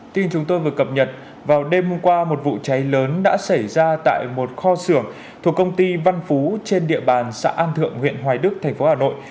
tin chúng tôi vừa cập nhật vào đêm qua một vụ cháy lớn đã xảy ra tại một kho xưởng thuộc công ty văn phú trên địa bàn xã an thượng huyện hoài đức thành phố hà nội